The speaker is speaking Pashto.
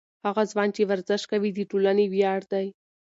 هغه ځوان چې ورزش کوي، د ټولنې ویاړ دی.